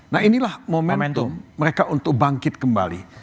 nah inilah momentum mereka untuk bangkit kembali